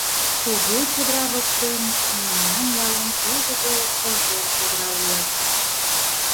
Кугу чодыра воктен мемнан ялын тыгыде кожер чодыра уло.